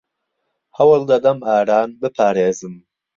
ھەوڵ دەدەم ئاران بپارێزم.